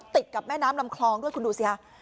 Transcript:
ติดกับแม่น้ำลำคลองด้วยคุณดูสิค่ะ